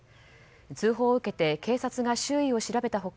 通報を受けて警察が周囲を調べた他